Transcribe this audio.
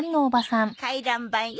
回覧板よ。